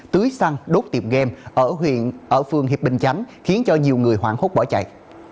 tưới xăng đốt tiệm game ở phương hiệp bình chánh khiến nhiều người hoảng khúc bỏ chạy